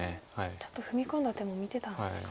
ちょっと踏み込んだ手も見てたんですか。